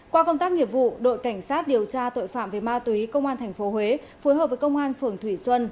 qua công tác nghiệp vụ đội cảnh sát điều tra tội phạm về ma túy công an tp huế phối hợp với công an phường thủy xuân